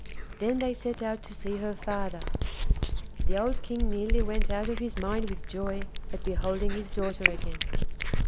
Then they set out to see her father. The old King nearly went out of his mind with joy at beholding his daughter again.